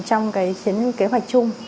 một cái kế hoạch chung